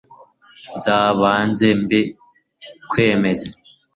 nza banze mbi kwe meze